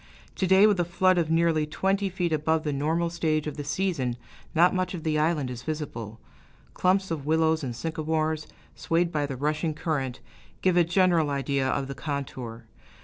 To day, with a flood of nearly twenty feet above the normal stage of the season, not much of the island is visible, clumps of willows and sycamores, swayed by the rushing current, giving a general idea of the contour.